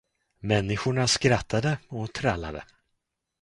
Människorna skrattade och trallade.